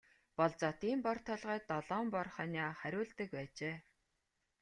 Болзоотын бор толгойд долоон бор хонио хариулдаг байжээ.